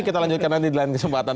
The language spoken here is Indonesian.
kita lanjutkan nanti di lain kesempatan